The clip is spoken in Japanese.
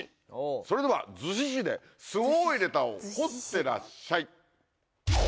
それでは逗子市ですごいネタを掘ってらっしゃい。